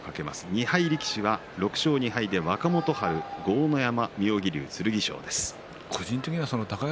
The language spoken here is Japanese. ２敗力士は若元春豪ノ山、妙義龍、剣翔です。